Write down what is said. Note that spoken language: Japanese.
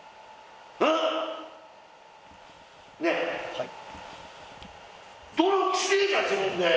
はい。